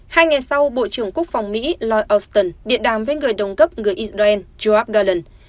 hai ngày sau bộ trưởng quốc phòng mỹ lloyd auston điện đàm với người đồng cấp người israel joab galan